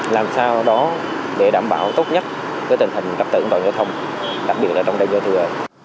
làm sao đó để đảm bảo tốt nhất cái tình hình cập tận đoàn giao thông đặc biệt là trong đại gia thừa